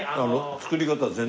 作り方全体。